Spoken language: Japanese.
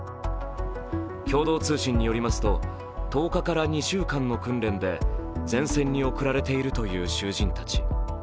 共同通信によりますと、１０日から２週間の訓練で前線に送られているという囚人たち。